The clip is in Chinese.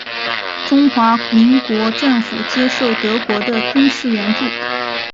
中华民国政府接受德国的军事援助。